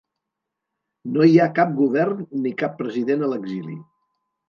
No hi ha cap govern ni cap president a l’exili.